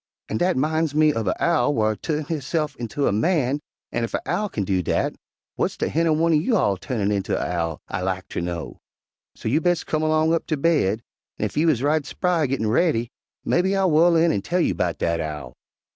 An' dat 'mines me uv a owl whar turnt hisse'f inter a man, an' ef a owl kin do dat, w'ats ter hinner one'r you all turnin' inter a owl, I lak ter know? So you bes' come 'long up ter baid, an' ef you is right spry gettin' raidy, mebbe I'll whu'l in an' tell you 'bout dat owl."